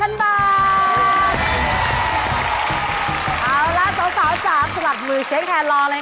เอาล่ะสาวจ๋าสลัดมือเชฟแคนรอเลยค่ะ